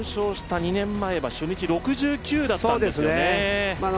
優勝した２年前は初日６９だったんですよね。